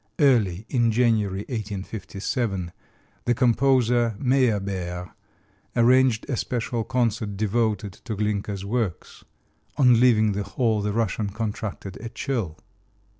Early in January, 1857, the composer Meyerbeer arranged a special concert devoted to Glinka's works. On leaving the hall the Russian contracted a chill.